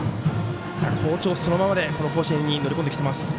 好調そのままで乗り込んできています。